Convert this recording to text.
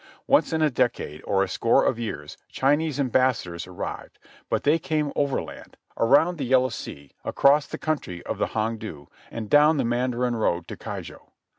Once in a decade or a score of years Chinese ambassadors arrived, but they came overland, around the Yellow Sea, across the country of the Hong du, and down the Mandarin Road to Keijo.